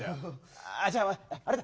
あじゃああれだ。